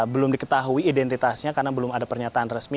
belum diketahui identitasnya karena belum ada pernyataan resmi